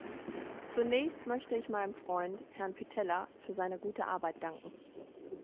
Zunächst möchte ich meinem Freund, Herrn Pittella, für seine gute Arbeit danken.